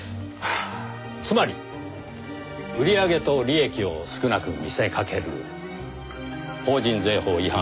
つまり売り上げと利益を少なく見せかける法人税法違反。